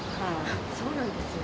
そうなんですね。